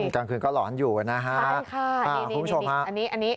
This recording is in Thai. กลางคืนก็หลอนอยู่นะฮะคุณผู้ชมฮะอันนี้อันนี้